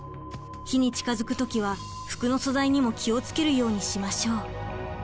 火に近づく時は服の素材にも気を付けるようにしましょう。